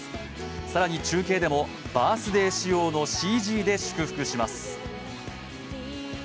更に、中継でもバースデー仕様のＣＧで祝福します。